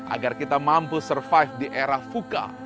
agar kita mampu survive di era vuka